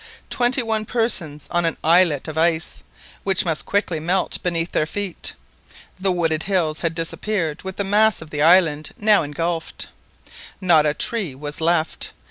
Twenty one persons on an islet of ice which must quickly melt beneath their feet! The wooded hills had disappeared with the mass of the island now engulfed; not a tree was left.